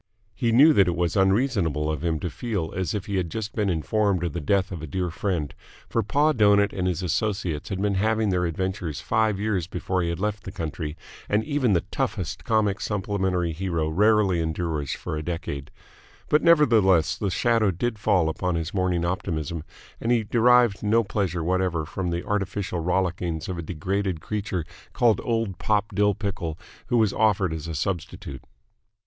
He knew that it was unreasonable of him to feel as if he had just been informed of the death of a dear friend, for Pa Doughnut and his associates had been having their adventures five years before he had left the country, and even the toughest comic supplementary hero rarely endures for a decade: but nevertheless the shadow did fall upon his morning optimism, and he derived no pleasure whatever from the artificial rollickings of a degraded creature called Old Pop Dill Pickle who was offered as a substitute.